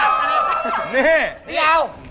นี่นี่เอา